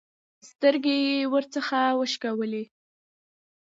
سترګې يې ورڅخه وشکولې.